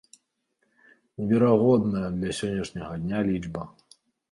Неверагодная для сённяшняга дня лічба.